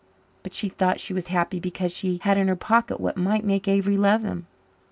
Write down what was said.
But she thought she was happy because she had in her pocket what might make Avery love him.